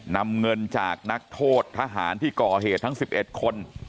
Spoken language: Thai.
นำเงินจากนักโทษทหารที่ก่อเหตุทั้ง๑๑คน